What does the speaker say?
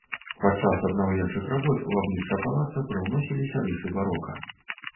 Падчас аднаўленчых работ у аблічча палаца прыўносіліся рысы барока.